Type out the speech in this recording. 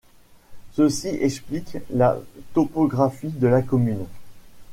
Ceci explique la topographie de la commune.